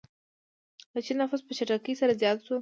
د چین نفوس په چټکۍ سره زیات شو.